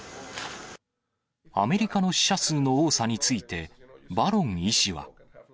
アメリカの死者数の多さについて、バロン医師は。